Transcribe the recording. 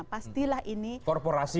pastilah ini korporasi